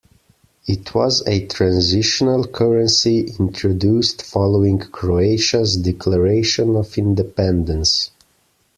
It was a transitional currency introduced following Croatia's declaration of independence.